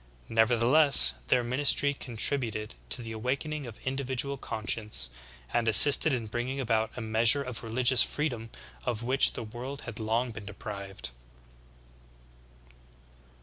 Nevertheless their ministry contributed to the awakening of individual conscience, and assisted in bringing about a measure of religious freedom of which the world had long been deprived.